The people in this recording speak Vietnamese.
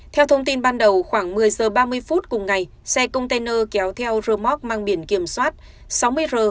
theo thông tin ban đầu khoảng một mươi giờ ba mươi phút cùng ngày xe container kéo theo rơ móc mang biển kiểm soát sáu mươi r